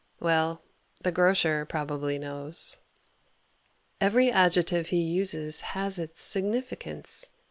Well, the grocer probably knows. Every adjective he uses has its significance.